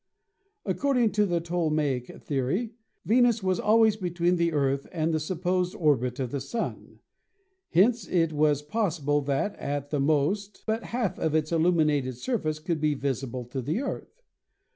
Acording to the Ptolemaic theory, Venus was always between the Earth and the supposed orbit of the Sun. Hence it was possible that, at the most, but half of its illuminated surface could be visible to the Earth.